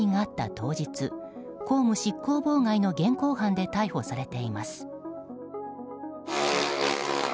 当日公務執行妨害の現行犯で逮捕されています。